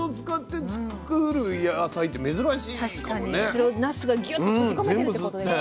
それをなすがギュッと閉じ込めてるってことですもんね。